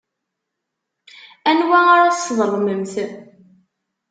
Anwa ara tesḍelmemt?